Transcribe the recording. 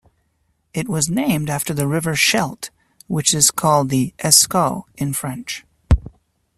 It was named after the river Scheldt, which is called the Escaut in French.